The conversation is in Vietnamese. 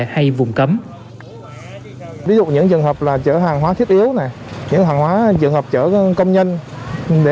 hay vùng cấm ví dụ những trường hợp là chở hàng hóa thiết yếu những trường hợp chở công nhân để